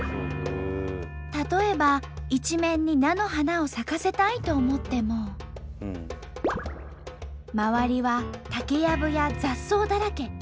例えば一面に菜の花を咲かせたいと思っても周りは竹やぶや雑草だらけ。